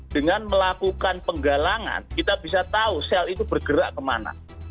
dengan melakukan penggalangan kita bisa tahu sel itu bergerak kemana